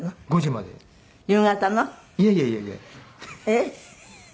えっ？